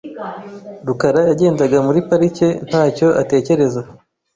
rukara yagendaga muri parike ntacyo atekereza .